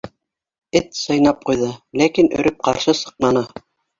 Эт сыйнап ҡуйҙы, ләкин өрөп ҡаршы сыҡманы.